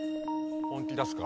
本気出すか。